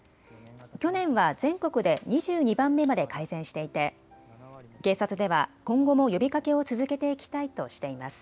去年は全国で２２番目まで改善していて警察では今後も呼びかけを続けていきたいとしています。